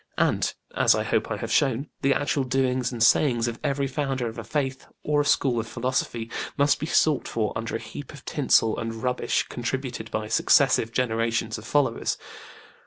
And as I hope I have shown the actual doings and sayings of every founder of a Faith or a school of philosophy must be sought for under a heap of tinsel and rubbish contributed by successive generations of followers.